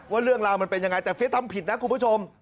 ว่าเรื่องราวมันเป็นยังไงแต่เฟียสทำผิดนะคุณผู้ชม